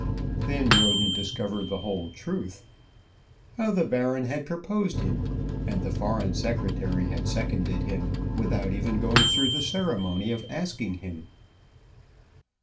Then Roden discovered the whole truth, how the Baron had proposed him and the Foreign Secretary had seconded him, without even going through the ceremony of asking him.